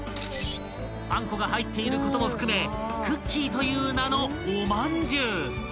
［あんこが入っていることも含めクッキーという名のおまんじゅう］